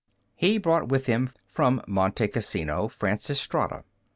He brought with him from Monte Cassino Francis Strada.